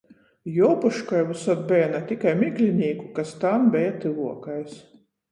Juopuškoj vysod beja na tikai Miglinīku, kas tān beja tyvuokais.